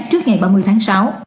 trước ngày ba mươi tháng sáu